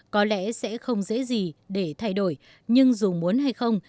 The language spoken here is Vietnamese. có lẽ sẽ không dễ gì để thay đổi nhưng dù muốn hay không